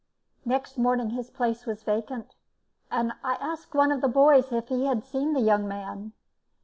Next morning his place was vacant, and I asked one of the boys if he had seen the young man.